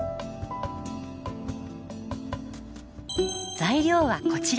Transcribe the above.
材料はこちら。